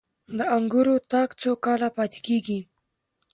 د انګورو تاک څو کاله پاتې کیږي؟